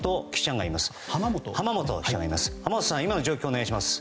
お願いします。